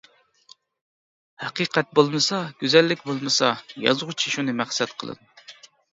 ھەقىقەت بولمىسا، گۈزەللىك بولمىسا يازغۇچى شۇنى مەقسەت قىلىدۇ.